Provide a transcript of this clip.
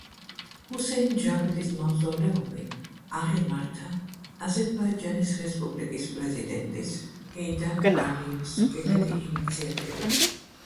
ჰუსეინ ჯავიდის მავზოლეუმი აღიმართა აზერბაიჯანის რესპუბლიკის პრეზიდენტის ჰეიდარ ალიევის პირადი ინიციატივით.